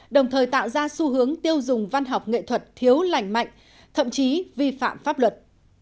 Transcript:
đồng thời tạo ra xu hướng tiêu dùng văn học nghệ thuật thiếu lành mạnh thậm chí vi phạm pháp luật